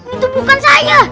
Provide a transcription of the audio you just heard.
itu bukan saya